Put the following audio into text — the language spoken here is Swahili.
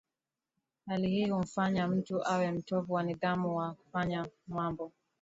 Hali hii humfanya mtu awe mtovu wa nidhamu au kufanya mambo